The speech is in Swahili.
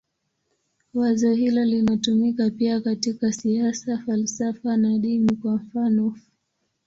Wazo hilo linatumika pia katika siasa, falsafa na dini, kwa mfanof.